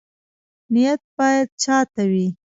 نیت باید چا ته وي؟